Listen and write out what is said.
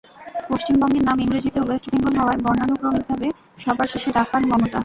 পশ্চিমবঙ্গের নাম ইংরেজিতে ওয়েস্ট বেঙ্গল হওয়ায় বর্ণানুক্রমিকভাবে সবার শেষে ডাক পান মমতা।